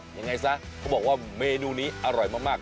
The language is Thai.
ยังไงซะเขาบอกว่าเมนูนี้อร่อยมาก